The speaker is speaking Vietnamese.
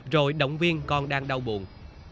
rồi động viên con đang đau buồn